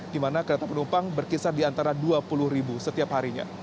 di mana kereta penumpang berkisar di antara dua puluh ribu setiap harinya